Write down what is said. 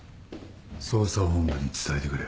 捜査本部に伝えてくれ。